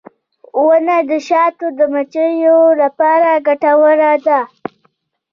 • ونه د شاتو د مچیو لپاره ګټوره ده.